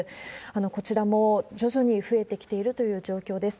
こちらも徐々に増えてきているという状況です。